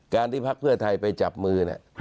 การที่พักพฤทธิไปจับมือเนี่ย